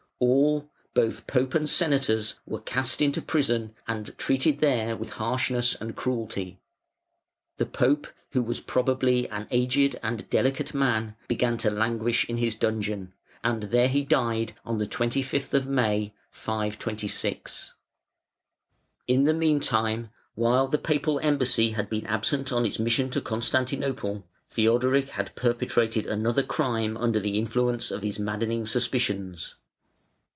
All, both Pope and Senators, were cast into prison and there treated with harshness and cruelty. The Pope, who was probably an aged and delicate man, began to languish in his dungeon, and there he died on the 25th of May, 526. In the meantime, while the Papal embassy had been absent on its mission to Constantinople, Theodoric had perpetrated another crime under the influence of his maddening suspicions.